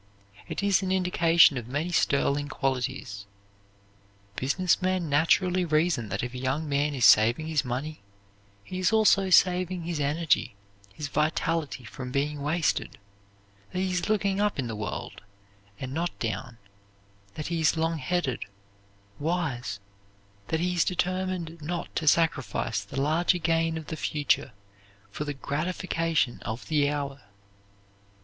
It is an indication of many sterling qualities. Business men naturally reason that if a young man is saving his money, he is also saving his energy, his vitality, from being wasted, that he is looking up in the world, and not down; that he is longheaded, wise; that he is determined not to sacrifice the larger gain of the future for the gratification of the hour.